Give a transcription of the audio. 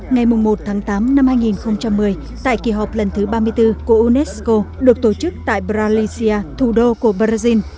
ngày một tháng tám năm hai nghìn một mươi tại kỳ họp lần thứ ba mươi bốn của unesco được tổ chức tại bralisia thủ đô của brazil